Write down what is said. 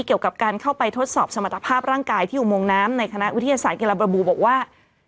เกี่ยวกับการเข้าไปทดสอบสมรรถภาพร่างกายที่อุโมงน้ำในคณะวิทยาศาสลาบระบูบอกว่า